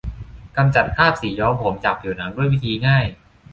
กำจัดคราบสีย้อมผมจากผิวหนังด้วยวิธีง่าย